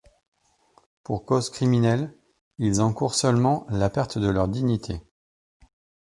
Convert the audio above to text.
Pour cause criminelle, ils encourent seulement la perte de leur dignité.